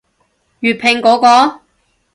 粵拼嗰個？